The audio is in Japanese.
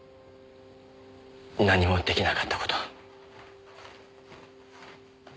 何も出来なかった事。